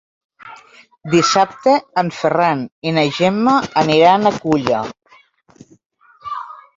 Dissabte en Ferran i na Gemma aniran a Culla.